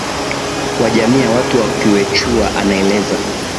wa jamii ya watu wa Quechua anaeleza